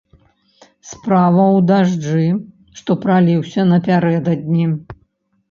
Справа ў дажджы, што праліўся напярэдадні.